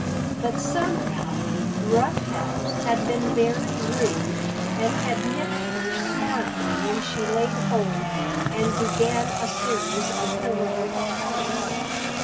But somehow Rough House had been very rude and had nipped her smartly when she laid hold and began a series of heroic tugs.